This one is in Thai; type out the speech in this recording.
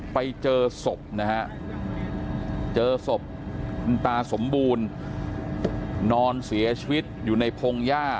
ไปเจอศพนะฮะเจอศพคุณตาสมบูรณ์นอนเสียชีวิตอยู่ในพงหญ้า